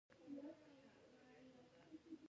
د اسلام مډرن فهم به تشه نظریه پاتې وي.